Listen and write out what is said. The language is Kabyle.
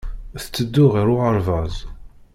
Tetteddu ɣer uɣerbaz.